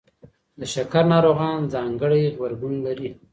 د شکر ناروغان ځانګړی غبرګون لري.